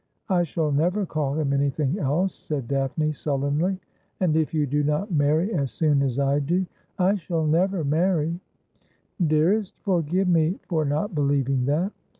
' I shall never call him anything else,' said Daphne sullenly. ' And if you do not marry as soon as I do '' I shall never marry '' Dearest, forgive me for not believing that.